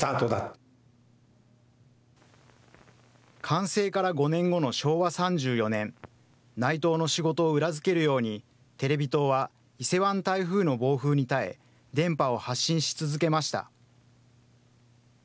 完成から５年後の昭和３４年、内藤の仕事を裏付けるように、テレビ塔は伊勢湾台風の暴風に耐え、電波を発信し続けました。